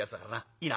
いいな？